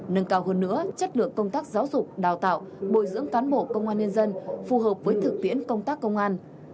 nâng cao hơn nữa chất lượng công tác giáo dục đào tạo bồi dưỡng cán bộ công an nhân dân phù hợp với thực tiễn công tác công an